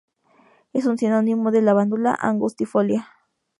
Es un sinónimo de "Lavandula angustifolia".